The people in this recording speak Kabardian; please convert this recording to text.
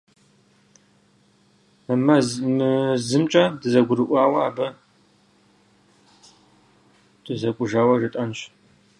Мы зымкӀэ дызэгурыгъаӀуэ: абы дызэкӀужауэ жетӀэнщ.